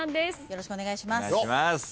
よろしくお願いします。